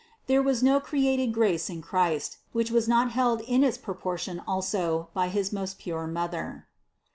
There was no created grace in Christ, which was not held in its proportion also by his most pure Mother.